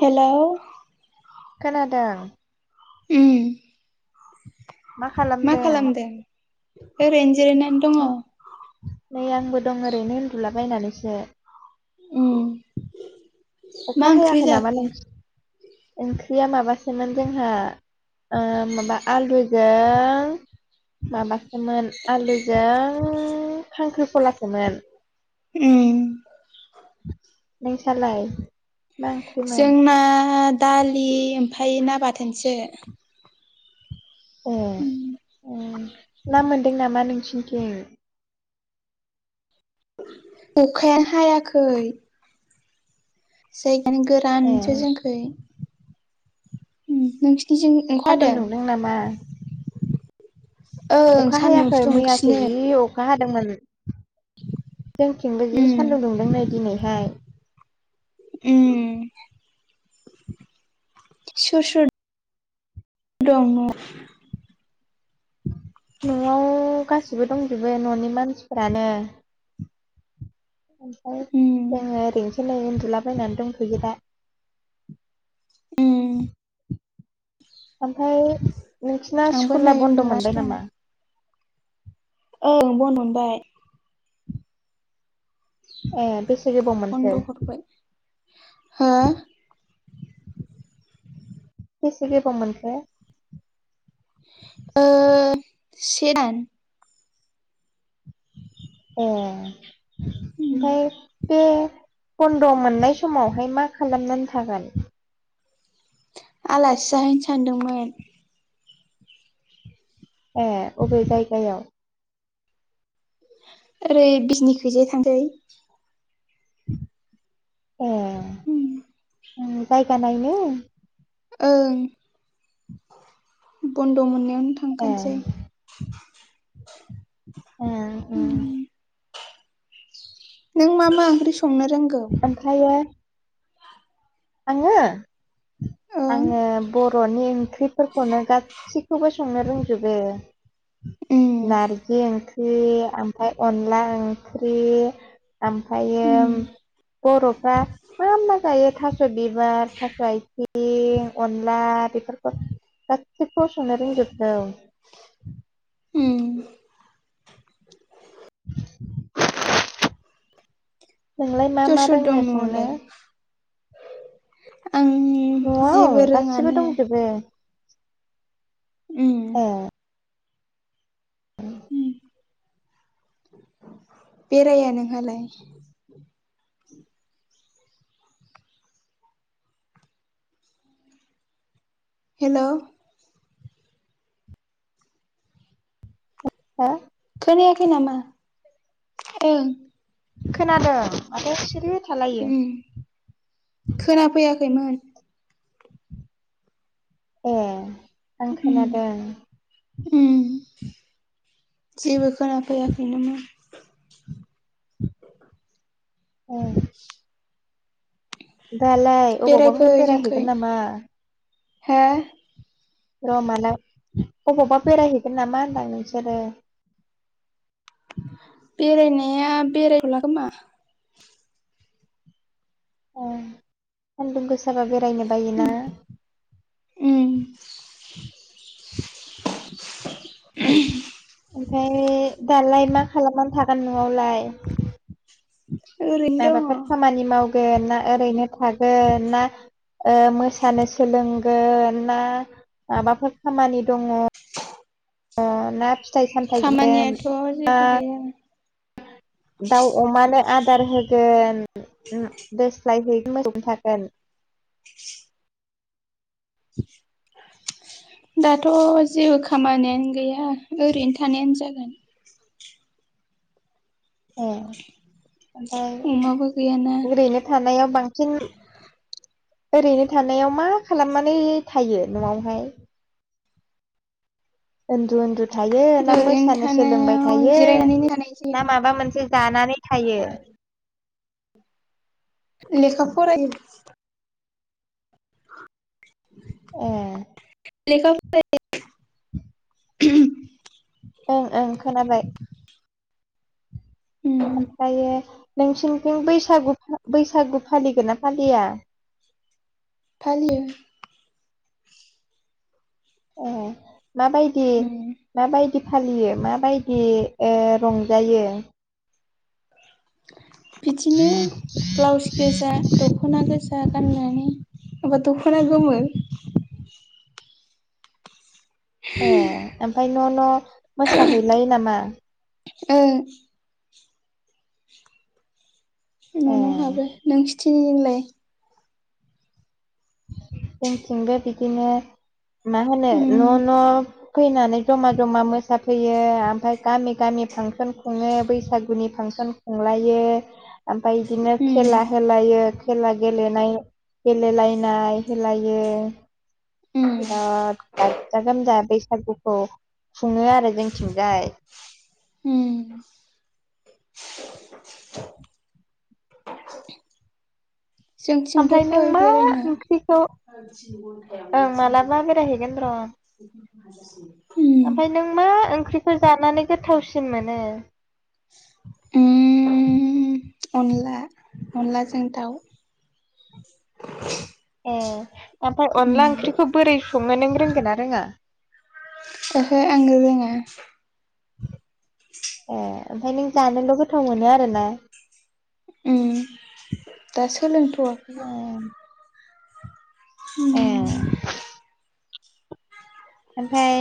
Hello खोनादों उम मा खालामदो ओरैनो जिरायनानै दङ। नै आंबो दं ओरैनो उन्दुलाबायनानैसो। उम अखा मा ओंख्रि हायाखै नामा जाखो नों ओंख्रिया माबासोमोन जोंहा। ओ माबा आलुदजों माबासोमोन आलुजों खांख्रिखलासोमोन। उम नों सालाय? जोंना दालि ओमफाय ना बाथोनसो। ए ओ ना मोनदों नामा नोंसिनिथिं। अखाया हायाखै। जायगायानो ए गोरानसो जोंखै नोंसि इजों सान्दुं ओंखाहादों। दुंदों नामा अखा हायाखै मैयासो दुंगासिनो जि अखा हादों दोंमोन जोंथिंबो जि उम सान्दुं दुंदों नै दिनैहाय। उम सुरसुर दङ न'आव गाससिबो दंजोबो न'नि मानसिफोरानो ओमफ्राय उम जोङो ओरैनोसो खै उन्दुलाबायनानै दंफयो दा उम ओमफ्राय नोंसना आंबो स्कुला नै बन्द उन्दुनासो मोनबाय दं नामा? ओं बन हरबाय ए बेसे गोबावमोनसो हा बेसे गोबाव मोनसाया आ से दान ए ओमफ्राय बे बन्द मोननाय समावहाय मा खालामनानै थागोन। आलासि जाहैनो सानदोंमोन। ए अबे जायगायाव ओरै बिजनिखैजाय थांसै अ गायख न ने ओं बन्द मोननायावनो ए थांखानोसै [unintelligible] नों मा मा आं्रि स ओखाय आङो ओं आङो बर। बरनि ओंख्रिफोरखौनो गाससिखौबो संनो रोंजोबो उम नार ग फख्रि ओमफ्राय अनला ओंख्रि ओमफ्रायो उम बरफ्रा मा मा जायो थास थास बिबार थास आथिं अनला बेफोरखौ गासिखौ संनो रोंदों। ज औ उम [unintelligible] नोंलाय मा सोर मा सोर दं दाङो संनो न'आवलाय आं नआव जेबो गासिबो रोङानो दंजोबो उम [unintelligible] [unintelligible] बेराया नोंहालाय? हेल' हो? खोनायाखै नामा ओ? खोनादों माथो सिरि? थालायो उम खोनाफैयाखैमोन। ए आं उम खोनादों। उम जेबो खोनाफैयाखै नोमोन। औ। दालाय बेरायफै अबावबाफोर बेराय जोंखै हैैगोन नामा? हो? र मालाय अबावबा बेरायहैगोन नामा होनदां नोंसोरो? [inaudible] बेरायनाया बेरायथ'लाखोमा। ए सान्दुं गोसाबा बेरायनो बायोना। उम। [unintelligible] ओमफ्राय दालाय मा खालामनानै थागोन न'आवलाय? ओरैनो दङ माबाफोर खामानि मावगोन ना ओरैनो थागोन ना ओ मोसानो सोलोंगोन ना माबाफोर खामानि दङ? अ ना फिथाइ सामथाइ जागोन खामानियाथ' ना जेबो गैया दाउ अमानो आदार होगोन ओ दोस्लाय है [unintelligible] थागोन? दाथ‌'जेबो खामानियानो गैया ओरैनो थानायानो जागोन। ए। ओमफाय अमाबो गैयाना ओरैनो थानायाव बांसिन ओरैनो थानायाव मा खालामनानै थायो न'आवहाय? ओन्दु ओन्दु थायो ना ओरैनो मोसानो सोलोंबाय थानायाव थायो जिरायनानैनो थानाय ना माबा जायो मोनसे जानानै थायो? [inaudible] लेखा फरायो। ए। लेखा फरायो [unintelligible] ओं ओं खोनाबाय। उम ओमफ्रायो नोंसिनिथिं बैसागु बैसागु फालिगोन ना फालिया? फालियो। ए माबायदि उम माबायदि फालियो माबायदि ओ रंजायो? बिदिनो ब्लाउस गोजा दखना गोजा गाननानै माबा दखना गोमोन। ए ओमफाय न' न‌' मोसाहैलायो नामा? ओं। ए न‌'न'हाबो नोंसिथिं जोंथिंबो बिदिनो मा होनो उम न' न' फैनानै जमा जमा मोसाफैयो आमफाय गामि गामि फांसन खुङो। बैसागुनि फांसन खुंलायो आमफाय बिदिनो उम खेला होलायो। खेला गेलेनाय गेलेलायनाय होलायो। उम बिराद गाजा गोमजा बै सागुखौ खुङो आरो जोंथिंजाय। उम जोंथिंबो ओमफ्राय फै नों मा बेरायनो ओंख्रिखौ सारि तिन घन्टायाव नो तिन हाजार नो ओमफाय नों मा ओंख्रिखौ जानानै गोथावसिन मोनो? उम अनला अनलाजों दाउ [inaudible] ए ओमफाय उम अनला ओंख्रिखौ बोरै संङो नों रोंगोन ना रोङा? ओहो आं रोंङा ए ओमफ्राय नों जानोल गोथाव मोनो आरोना? उम दा सोलोंथवाखै। ए ओमफाय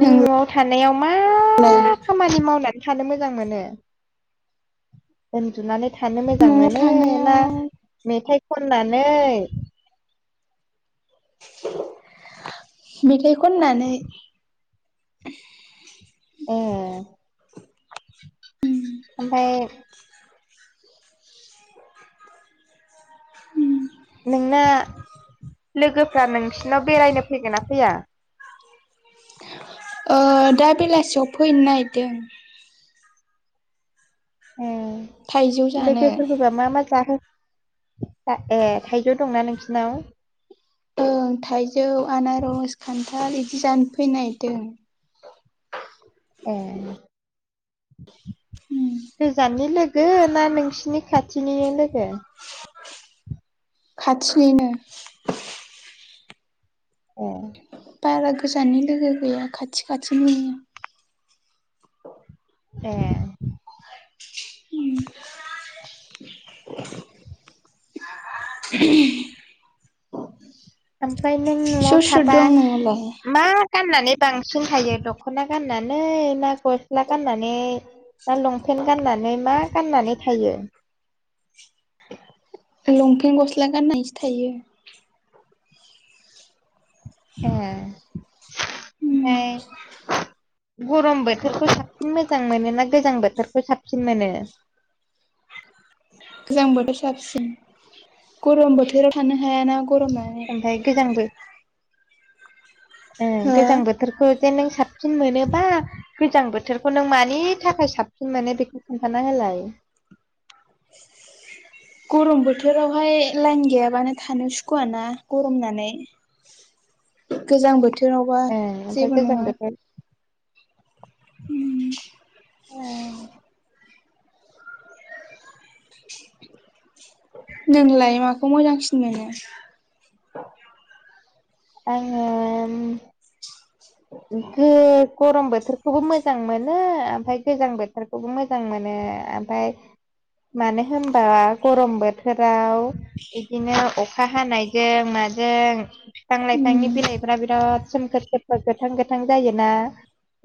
नों नआव थानायाव मा नोंलाय खामानि मावनानै थानो मोजां मोजां मोनो उन्दुनानै थानो मोजां न'आव मोन ना थानायाव मेथाइ खननानै? मेथाय खननानै [inaudible] ए ओमफाय उम नोंना लोगोफ्रा नोंसिनाव बेरायनो फैगो ना फैया? ओ दा बेलासियाव फैन नायदों। थाइजौ ए जानो लोगोफोरखोबा मा मा जाहो आ ए थाइजौ दंना नोंसिनाव ओं थाइजौ आनारस खान्थाल इदि जान फैनायदों। ए उम गोजाननि लोगो ना नोंसिनि खाथिनिनो लोगो? खाथिनिनो ए बारा गोजाननि लोगो गैया खाथि खाथिनिनो ए उम [unintelligible] फ्राय नों न'आव सोर सोर थाबा दं न'आवलाय मा गाननानै बांसिन थायो दख'ना गाननानै ना गस्ला गाननानै ना लंफेन गाननानै मा गाननानै थायो? लंफेन गस्ला गाननायसो थायो। ए उम ओमफाय गरम बोथोरखौ साबसिन मोजां मोनो ना गोजां बोथोरखौ साबसिन मोनो? [inaudible] गोजां बोथोर साबसिन गरम बोथोराव थानो हायाना गरमनानै ओमफ्राय ओं हो गोजां बोथोरखौ जे नों साब सिन मोनोबा गोजां बोथोरखौ नों मानि थाखाय साबसिन मोनो बेखौ खोनथाना होलाय [inaudible] गरम बोथोरावहाय लाइन गैयाबानो थानो सुखुवाना गरमनानै गोजां बोथोरावबा ओं ओमफ्राय जेबो गोजां नङा बोथोर [inaudible] नोंलाय माखौ मोजांसिन मोनो? आंङोम [unintelligible] गरम बोथोरखौबो मोजां मोनो ओमफाय गोजां बोथोरखौबो मोजां मोनो ओमफाय मानो होमबा गरम बोथोराव इदिनो अखा हानायजों मा माजों फिफां उम लाइफांनि बिलाइफोरा बिराद सोमखोर सोमखोर गोथां गोथां जायोना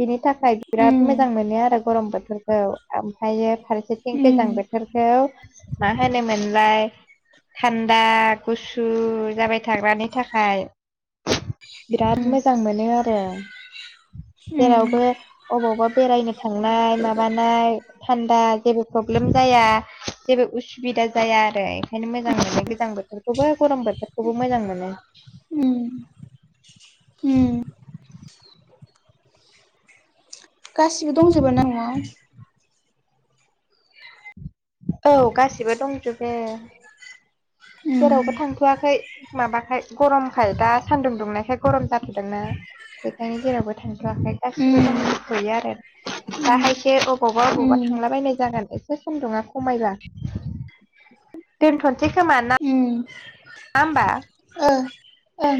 बिनि थाखाय बिराद उम मोजां मोनो आरो गरम बोथोरखौ ओमफायो फारसेथिं गोजां उम बोथोर इखौ मा होनोमोनलाय थान्दा गुसु जाबाय थाग्रानि थाखाय बिराद मोजां मोनो आरो उम जेरावबो अबावबा बेरायनो थांनाय माबानाय थान्दा जेबो प्रब ब्लेम जाया जेबो उसुबिदा जाया आरो ओंखायनो मोजां मोनो गोजां बोथोरखौबो गरम बोथोर खौबो मोजां मोनो उम उम गासिबो दंजोबोना न'वाव औ गासिबो दंजोबो जेरावबो उम थांथ'आखै माबाखाय गरमखाय दा सान्दुं दुंनायखाय गरम जाथदोंना बेखायनो जेरावबो थांथ'वाखै गासिबो दंजोबथ'यो आरो उम दाहायसो अबावबा उम अबावबा थांला बायनाय जागोन एसे सानदुङा खमायबा दोनथनसै खोमा ना उम ओमबा ओ ओं